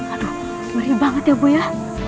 aduh merih banget ya bu ya